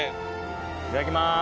いただきます。